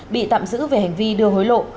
bị tạm giữ về hành vi đưa hối lộ